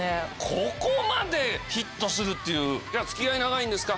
ここまでヒットするっていうじゃ付き合い長いんですか？